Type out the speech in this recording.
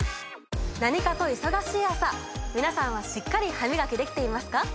何かと忙しい朝皆さんはしっかり歯みがきできていますか？